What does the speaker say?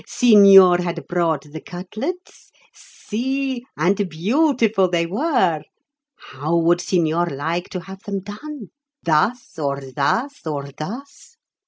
"Signor had brought the cutlets? Si, and beautiful they were! How would signor like to have them done? Thus, or thus, or thus?"